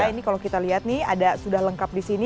ini kalau kita lihat nih ada sudah lengkap di sini